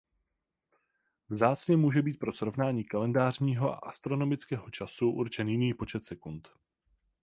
Vzácně může být pro srovnání kalendářního a astronomického času určen jiný počet sekund.